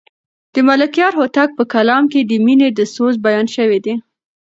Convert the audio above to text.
د ملکیار هوتک په کلام کې د مینې د سوز بیان شوی دی.